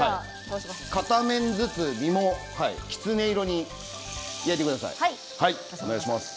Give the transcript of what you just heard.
片面ずつ身もキツネ色に焼いてください。